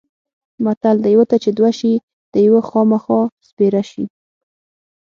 متل دی: یوه ته چې دوه شي د یوه خوامخا سپېره شي.